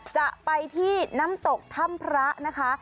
จะไปที่น้ำตกถ้ำพระนะคะ